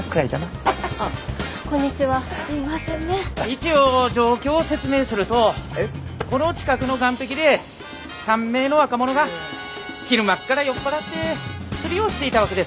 一応状況を説明するとこの近くの岸壁で３名の若者が昼間から酔っ払って釣りをしていたわけですよ。